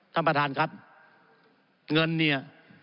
ท่านประธานครับเงินเนี่ย